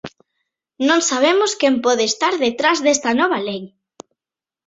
Non sabemos quen pode estar detrás desta nova lei.